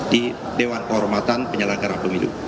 di dewan kehormatan penyelenggara pemilu